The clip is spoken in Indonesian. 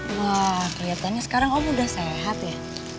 wah kelihatannya sekarang om udah sehat ya